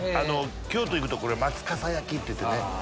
京都行くと松かさ焼きっていってね。